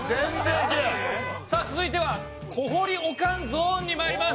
さあ続いては小堀おかんゾーンに参ります。